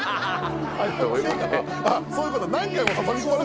あっそういうこと？